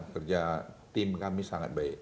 kerja tim kami sangat baik